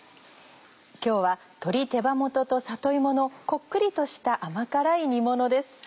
今日は鶏手羽元と里芋のこっくりとした甘辛い煮ものです。